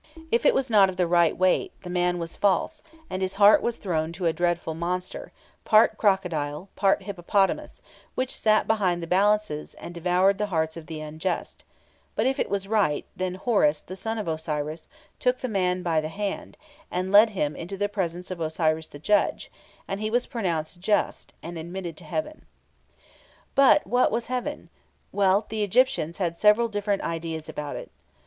If it was not of the right weight, the man was false, and his heart was thrown to a dreadful monster, part crocodile, part hippopotamus, which sat behind the balances, and devoured the hearts of the unjust; but if it was right, then Horus, the son of Osiris, took the man by the hand, and led him into the presence of Osiris the Judge, and he was pronounced just, and admitted to heaven. But what was heaven? Well, the Egyptians had several different ideas about it.